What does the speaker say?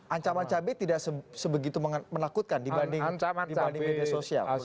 ancaman cabai tidak sebegitu menakutkan dibanding media sosial